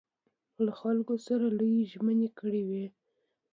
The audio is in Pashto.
له خلکو سره لویې ژمنې کړې وې.